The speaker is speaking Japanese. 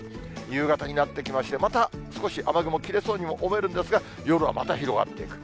夕方になってきまして、また少し雨雲切れそうにも思えるんですが、夜はまた広がっていく。